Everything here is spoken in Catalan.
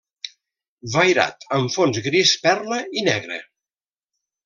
Vairat amb fons gris perla i negre.